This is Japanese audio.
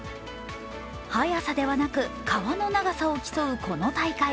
早さではなく皮の長さを競うこの大会。